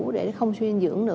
để không suyên dưỡng